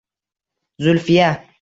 Zulfiya